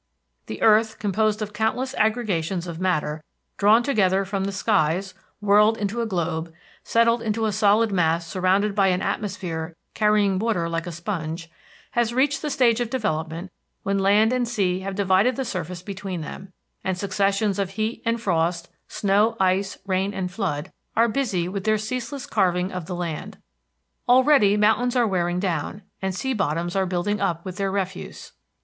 The earth, composed of countless aggregations of matter drawn together from the skies, whirled into a globe, settled into a solid mass surrounded by an atmosphere carrying water like a sponge, has reached the stage of development when land and sea have divided the surface between them, and successions of heat and frost, snow, ice, rain, and flood, are busy with their ceaseless carving of the land. Already mountains are wearing down and sea bottoms are building up with their refuse.